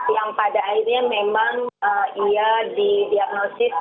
yang pada akhirnya memang ia didiagnosis